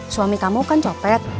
suami kamu kan copet